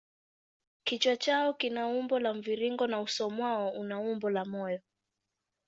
Kichwa chao kina umbo la mviringo na uso mwao una umbo la moyo.